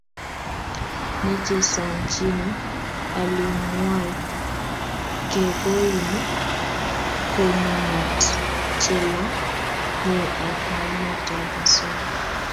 nechesanchini olingwai kekoini konunat chelanyei ak namet ap osoya